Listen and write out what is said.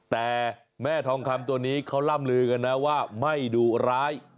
แต่แม่ทองคำตัวนี้เขาล่ำลือกันนะว่าไม่ดุร้าย